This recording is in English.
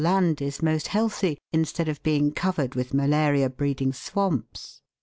land is most healthy, instead of being covered with malaria breeding swamps."